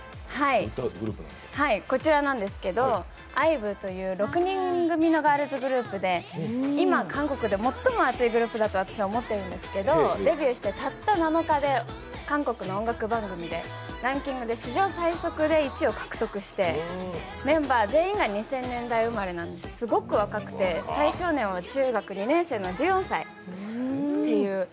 こちらなんですけど、ＩＶＥという６人組のガールズグループで今、韓国で最も熱いグループだと思っているんですけれどもデビューしてたった７日で韓国の音楽番組でランキングで史上最速で１位を獲得して、メンバー全員が２０００年代生まれっていうすごく若くて最年少は中学２年生の１４歳という。